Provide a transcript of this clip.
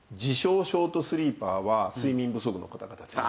ショートスリーパーは睡眠不足の方々です。